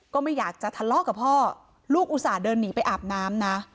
ก็ไม่อยากจะทะเลาะกับพ่อลูกอุตส่าห์เดินหนีไปอาบน้ำนะ